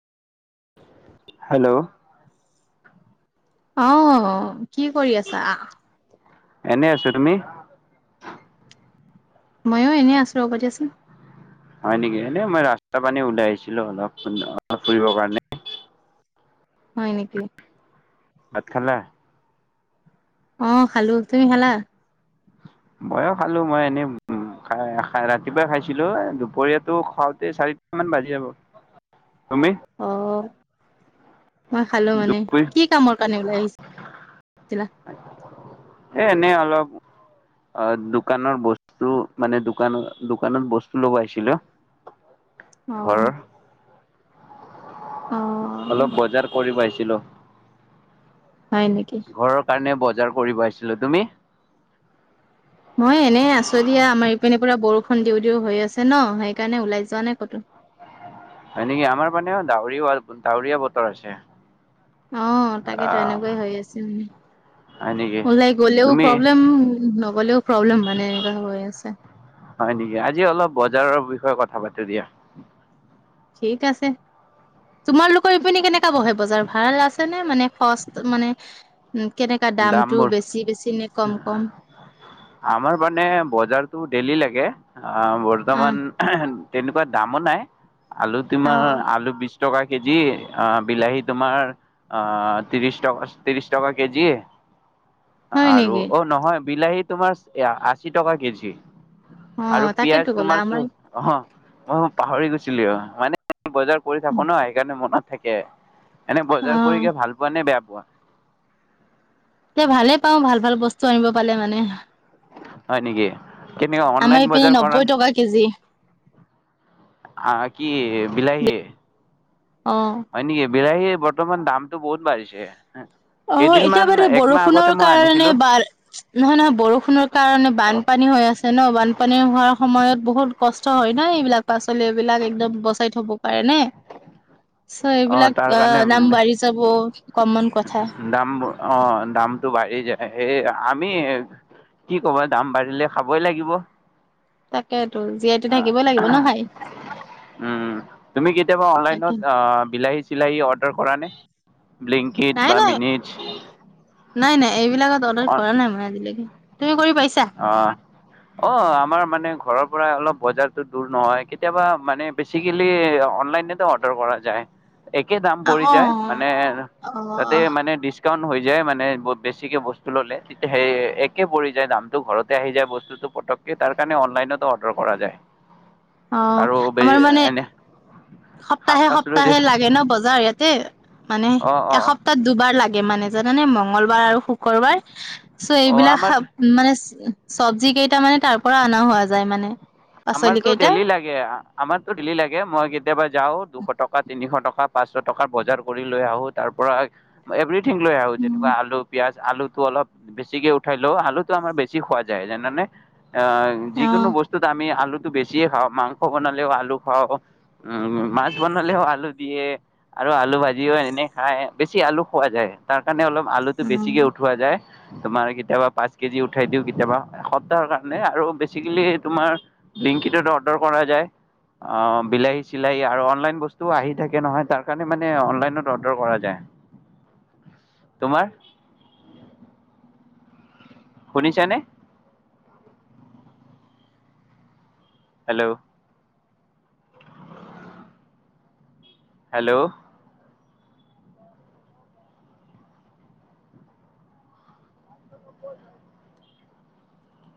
Hello অহ কি কৰি আছা। এনেই আছো তুমি ময়ো এনে আছো ৰ'ব দিয়াচোন হয় নেকি এনে মই ৰাস্তা পিনে ওলাই আহিছিলো। অলপ অপ ফুৰিবৰ কাৰণে। হয় নেকি ভাত, খালা অ' খালো তুমি খালা। ময়ো খালো। মই এনেই ৰাতিপুৱাই খাইছিলো। দুপৰীয়াাতটো খাওঁতে চাৰিটা মান বাজি যাব তুমি অ মই খালো। মানে, দুপৰীয়া কি কামৰ কাৰণে ওলাই আহিছা এ এনেই অলপ অ দোকানৰ বস্তু মানে দোকান দোকানত বস্তু লবা আহিছিলো অ। ঘৰৰ অ অলপ বজাৰ কৰিব আহিছ ছিলো হয় নেকি? মানে বজাৰ কৰিব আহিছিলোঁ তুমি? মই এনে আছো দিয়া, আমাৰ ইপিনে পৰা বৰষুণ দিওঁ দিওঁ হৈ আছে ন সেইকাৰণে ওলাই যোৱা নাই কতো। হয় নেকি, আমাৰ মানে ডাৱৰ ডাৱৰীয়া বতৰ আছে। অ তাকেতো আহ এনেকুৱাই হৈ আছে মানে, হয় নেকি ওলাই গলেও তুমি প্ৰব্লেম নগলেও প্ৰব্লেম মানে এনেকুৱা হৈ আছে। হয় নেকি আজি অলপ বজাৰৰ কথা পাতো দিয়া। ঠিক আছে, তোমালোকৰ ইপিনে কেনেকা বহে বজাৰ ভাল আছে নে মানে সষ্ট মানে উম, কেনেকা দামটো দামবোৰ, বেছি বেছি নে কম কম? আমাৰ মানে বজাৰতো ডেলি লাগে। গে আহ, বৰ্তমান তেনেকুৱা দামো নাই। আলু তোমাৰ আহ আলু বিছ টকা কেজি, বিলাহী তোমাৰ ত্ৰিছ টকা ত্ৰিছ টকা কেজি। হয় আৰু নেকি? অ' নহয়। বিলাহী তোমাৰ আশী টকা কেজি। অ', আৰু তাকেতো পিয়াজ ক'লা তোমাৰ চ আমাৰ অ মই পাহৰি গৈছিলি অ' মানে বজাৰ কৰি থাকো ন সেইকাৰণ মনত থাকে এনে বজাৰ অ', কৰিকে ভাল পোৱা নে বেয়া পোৱা? এ ভালে পাওঁ ভাল ভাল বস্তু আনিব পালে মানে। হয় নেকি? কেনেকুৱা অনলাইন আমাৰ বজাৰ ইপিনে কৰা নব্বৈ টকা কেজি। আ কি বিলাহী অ', হয় নকি বিলাহীৰ বৰ্তমান দামটো বহুত বাঢ়িছে। অ', এতিয়া কেইদিনমান বাদে একমাহ বৰষুণৰ আগতে মই কাৰণে আনিছিলো বা নহয় নহয় বৰষুণৰ কাৰণে অ বানপানী হৈ আছে ন বানপানী হোৱাৰ সময়ত বহুত কষ্ট হয় ন এইবিলাক পাচলি এইবিলাক একদম বচাই থব পাৰে নে। চ অ এইবিলাক তাৰ কাৰণে অ' নাম বাঢ়ি যাব। কমন কথা। দাম অ', দামটো বাঢ়ি যায় সেই আমি কি ক'ব দাম বাঢ়িলে খাবই লাগিব। তাকেইতো জীয়াইতো থাকিবই লাগিব ন খাই। উ তুমি কেতিয়াবা তাকে অনলাইনত আহ বিলাহী চিলাহী অৰ্ডাৰ কৰা নে ব্লেংকেট নাই বা নাই মিনিট নাই নাই এইবিলাকত অৰ্ডাৰ অ কৰা নাই মই আজিলৈকে তুমি কৰি পাইছা? অ অ আমাৰ মানে ঘৰৰ পৰা অলপ বজাৰতো দূৰ নহয় কেতিয়াবা মানে বেচিকেলি অনলাইনেতো অৰ্ডাৰ কৰা যায় একে দাম অ পৰি যায় মানে অ তাতে অ মানে হৈ যায় মানে বেছিকে বস্তু ল'লে তেতিয়া সেই একে পৰি যায় দাম টো ঘৰতে আহি যায় বস্তুতটো পতককে তাৰ কাৰণে অনলাইনতো অৰ্ডাৰ কৰা যায় অ আৰু বে আমাৰ মানে এনে শাক সপ্তাহে পাচলি সপ্তাহে লাগে ন বজাৰ ইয়াতে মানে অ', অ', এসপ্তাহত দুবাৰ লাগে মানে জানানে মংগলবাৰ আৰু শুকুৰবাৰ চ' অ', এইবিলাক আমাৰ মানে চব্জি কেইটা মানে তাৰ পৰা অনা হোৱা যায় মানে পাচলি আমাৰতো কেইটা ডেলি লাগে আমাৰতো ডি লাগে মই গেদ বাজ যাওঁ দুশ টকা তিনিশ টকা পাঁচশ টকা বজাৰ কৰি লৈ আহো তাৰ পৰাৰা এভ ঠ লৈ আহো উম যেনেকুৱা আলু পিয়য়াজ আলুটো অলপ বেছিকে উঠাই লও আলুটো আমাৰ বেছি খোৱা যায় যেনে আহ অ যিকোনো বস্তু আমি আলুটো বেছিয়ে খাওঁ মাংস বনালেও আলু খাওঁ উম মাছ বনালেও আলু দিয়ে আৰু আলু ভাজিও এনে খাই বেছি আলু খোৱা যায় তাৰ কাৰণে অলপ আলুটো উম বেছিকে উঠওোৱা যায় তোমাৰ কেতিয়াবা পাঁচ কেজি উঠাই দিও কেতিয়াবা এসপ্তাহৰ কাৰণে আৰু বেচিকেলি তোমাৰ লিংকিতত অৰ্ডাৰ কৰা যায় আহ বিলাহী চিলাহী আৰু অনলাইন বস্তু আহি থাকে নহয় তাৰ কাৰণে মানে অনলাইনত অৰ্ডাৰ কৰা যায় তোমাৰ শুনি চানে হেল্ল' হেল্ল'